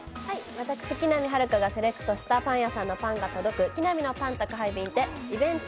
私、木南晴夏がセレクトしたパン屋さんのパンが届く「キナミのパン宅急便」でイベント